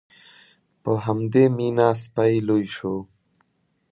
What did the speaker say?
په همدې مینه سپی لوی شو.